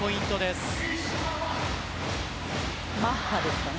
マッハですかね。